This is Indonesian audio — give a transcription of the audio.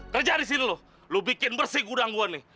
kerja di sini loh lo bikin bersih gudang gue nih